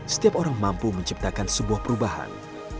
setiap orang mampu menciptakan sebuah perubahan